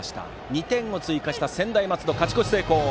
２点を追加した専大松戸勝ち越し成功。